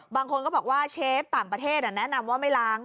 บางคนก็บอกว่าเชฟต่างประเทศแนะนำว่าไม่ล้าง